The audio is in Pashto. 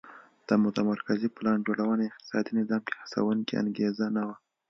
د متمرکزې پلان جوړونې اقتصادي نظام کې هڅوونکې انګېزه نه وه